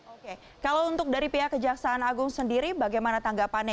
oke kalau untuk dari pihak kejaksaan agung sendiri bagaimana tanggapannya